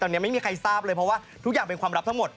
ตอนนี้ไม่มีใครทราบเลยเพราะว่าทุกอย่างเป็นความลับทั้งหมด